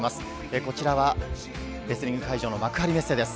こちらはレスリング会場の幕張メッセです。